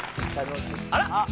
あら！